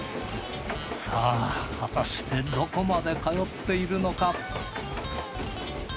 さぁ果たしてどこまで通っているのか？